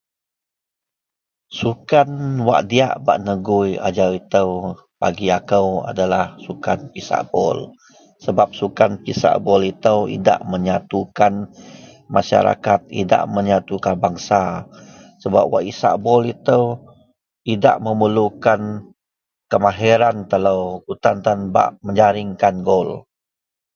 Sukan wak diyak bak negoi ajau ito bagi akou adalah sukan pisak bol sebab sukan pisak bol ito menyatukan masarakat idak menyatukan bangsa sebab wak isak bol ito idak memerlukan kemahiran telo kutan tan bak menjaring gol.